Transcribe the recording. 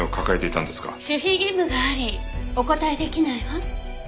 守秘義務がありお答えできないわ。